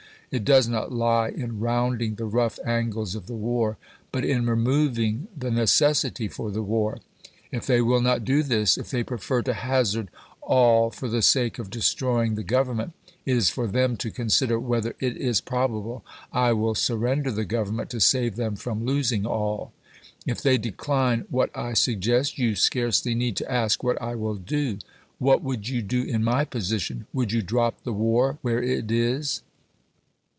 It does not lie in rounding the rough angles of the war, but in removing the necessity for the war. .. If they will not do this, if they prefer to hazard aU for the sake of destroying the Government, it is for them to consider whether it is probable I will surrender the Government to save them from losing aU. If they decline what I sug gest, you scarcely need to ask what I wiU do. What would you do in my position ? Would you drop the war where it is